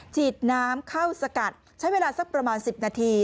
ฉีดน้ำเข้าสกัดใช้เวลาสักประมาณ๑๐นาที